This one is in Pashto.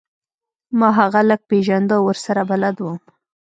ما هغه لږ پیژنده او ورسره بلد وم